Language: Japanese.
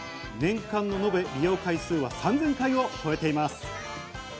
年間の延べ利用回数は３０００回を超えています。